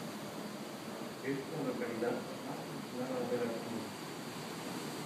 Es la localidad más aislada de la comuna.